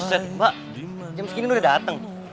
buset mbak jam segini udah dateng